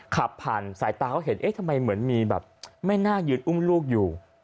ขับผ่านสายตาเขาเห็นเอ๊ะทำไมเหมือนมีแบบแม่นาคยืนอุ้มลูกอยู่